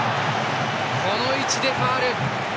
この位置でファウル。